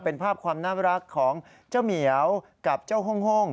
เป็นภาพความน่ารักของเจ้าเหมียวกับเจ้าห้อง